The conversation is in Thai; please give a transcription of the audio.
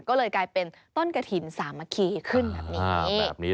ก็เลยกลายเป็นต้นกระถิ่นสามัคคีขึ้นแบบนี้